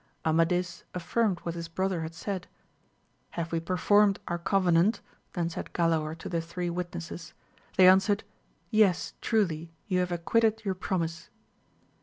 Amadis affirmed what his brother had said. Have we performed our covenant ? then said Galaor to the three witnesses ; they answered. Yes, truly, you have acquitted your promise.